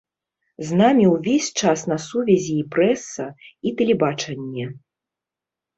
З намі ўвесь час на сувязі і прэса, і тэлебачанне.